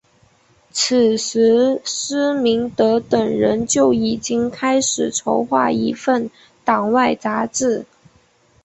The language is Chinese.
此时施明德等人就已经开始筹划一份党外杂志。